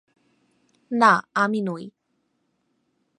না আমি নই।